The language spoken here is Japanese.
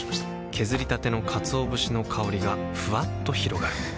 削りたてのかつお節の香りがふわっと広がるはぁ。